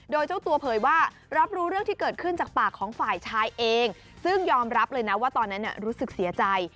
โดยเจ้าตัวเผยว่ารับรู้เรื่องที่เกิดขึ้นจากปากของฝ่ายชายเองซึ่งยอมรับเลยนะว่าตอนนั้นรู้สึกเสียใจ